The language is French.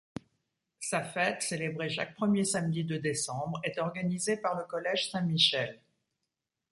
Sa fête, célébrée chaque premier samedi de décembre, est organisée par le collège Saint-Michel.